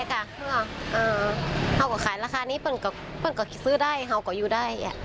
เราก็ขายราคานี้เปิดก็ซื้อได้เราก็อยู่ได้